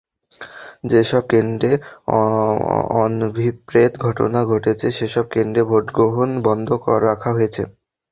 যেসব কেন্দ্রে অনভিপ্রেত ঘটনা ঘটেছে সেসব কেন্দ্রে ভোটগ্রহণ বন্ধ রাখা হয়েছে।